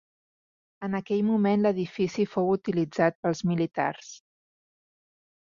En aquell moment l'edifici fou utilitzat pels militars.